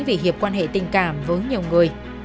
vì hiệp quan hệ tình cảm với nhiều người